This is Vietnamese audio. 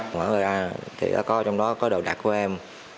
mở ra thì có trong đó có đồ đặc của em